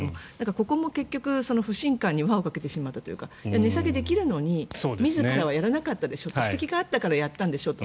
ここも結局、不信感に輪をかけてしまった値下げできるのに自らやらなかったでしょ指摘があったからやったんでしょと。